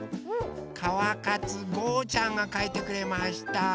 かわかつごうちゃんがかいてくれました。